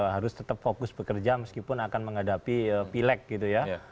harus tetap fokus bekerja meskipun akan menghadapi pilek gitu ya